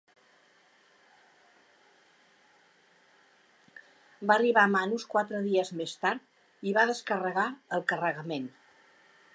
Va arribar a Manus quatre dies més tard i va descarregar el carregament.